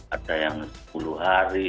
ada yang sepuluh hari